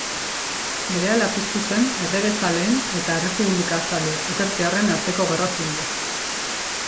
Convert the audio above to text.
Berehala piztu zen erregezaleen eta errepublikazale ezkertiarren arteko gerra zibila.